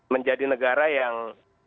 menjadi negara yang